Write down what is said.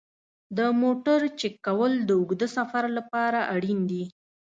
د موټر چک کول د اوږده سفر لپاره اړین دي.